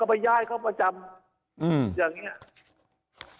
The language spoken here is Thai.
ไปย้ายเขาประจำอย่างนี้